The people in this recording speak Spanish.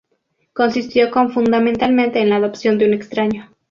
Consistió fundamentalmente en la adopción de un extraño.